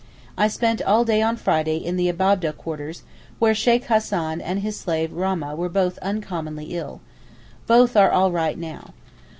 I spent all day on Friday in the Abab'deh quarters where Sheykh Hassan and his slave Rahmeh were both uncommonly ill. Both are 'all right' now.